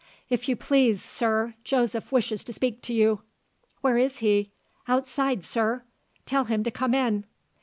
"If you please, sir, Joseph wishes to speak to you." "Where is he?" "Outside, sir." "Tell him to come in."